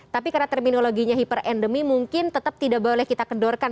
tapi karena terminologinya hiperendemi mungkin tetap tidak boleh kita kendorkan